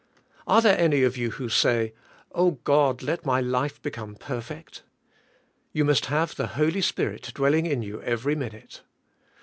Are there any of you who say, "Oh God let my life become perfect?" You must have the Holy Spirit dwelling in you every minute.